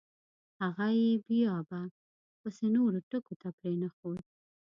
هغه یې بیا به … پسې نورو ټکو ته پرېنښود.